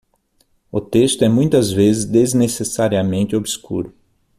O texto é muitas vezes desnecessariamente obscuro.